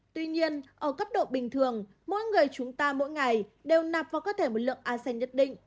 tuy nhiên ở cấp độ bình thường mỗi người chúng ta mỗi ngày đều nạp vào cơ thể một lượng arsen nhất định